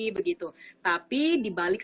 begitu tapi dibalik